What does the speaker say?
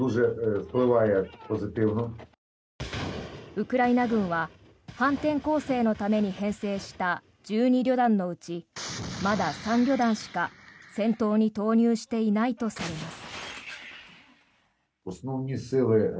ウクライナ軍は反転攻勢のために編成した１２旅団のうちまだ３旅団しか戦闘に投入していないとされます。